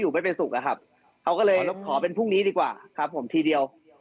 ไม่เป็นสุขอะครับเขาก็เลยขอเป็นพรุ่งนี้ดีกว่าครับผมทีเดียว